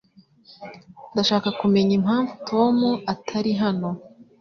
Ndashaka kumenya impamvu Tom atari hano